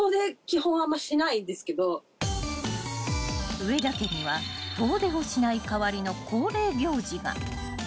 ［上田家には遠出をしない代わりの恒例行事が］